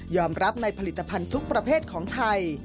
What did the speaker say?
รับในผลิตภัณฑ์ทุกประเภทของไทย